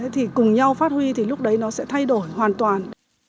thì cùng nhau phát huy thì lúc đấy nó sẽ thay đổi hoàn toàn